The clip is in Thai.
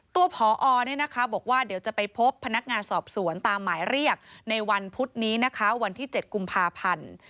ตัวพอบอกว่าเดี๋ยวจะไปพบพนักงานสอบสวนตามหมายเรียกในวันพุธนี้นะคะวันที่๗กุมภาพันธ์